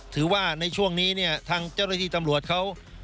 ถือว่าในช่วงนี้เนี่ยทางเจ้าหน้าที่ตำรวจเขา